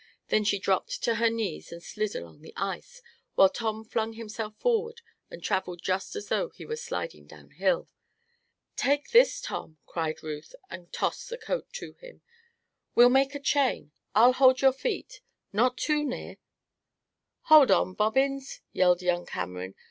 Then she dropped to her knees and slid along the ice, while Tom flung himself forward and traveled just as though he were sliding down hill. "Take this, Tom!" cried Ruth, and tossed the coat to him. "We'll make a chain I'll hold your feet. Not too near!" "Hold on, Bobbins!" yelled young Cameron.